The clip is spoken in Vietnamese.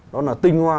đó là tinh hoa